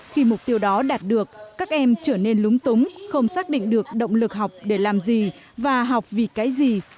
khi mục tiêu đó đạt được các em trở nên lúng túng không xác định được động lực học để làm gì và học vì cái gì